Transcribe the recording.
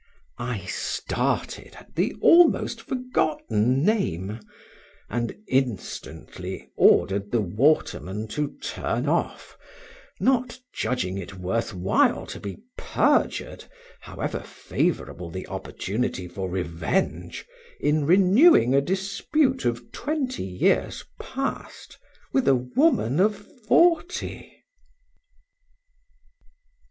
I started at the almost forgotten name, and instantly ordered the waterman to turn off, not judging it worth while to be perjured, however favorable the opportunity for revenge, in renewing a dispute of twenty years past, with a woman of forty.